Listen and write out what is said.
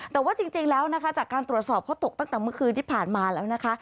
แต่ว่าจริงแล้วนะคะจากการตรวจสอบเขาตกตั้งแต่เมื่อคืนที่ผ่านมาแล้วนะคะ